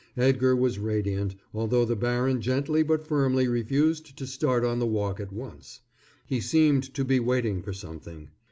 Edgar was radiant, although the baron gently but firmly refused to start on the walk at once. He seemed to be waiting for something.